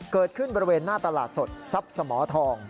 เกิดขึ้นบริเวณหน้าตลาดสดทรัพย์สมทอง